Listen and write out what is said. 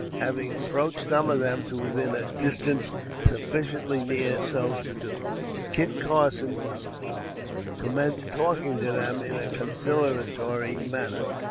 Having approached some of them to within a distance sufficiently near so to do, Kit Carson commenced talking to them in a conciliatory manner.